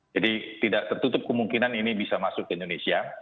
jadi tidak tertutup kemungkinan ini bisa masuk ke indonesia